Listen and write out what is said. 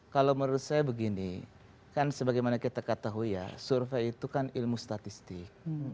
kalau menurut saya begini kan sebagaimana kita ketahui ya survei itu kan ilmu statistik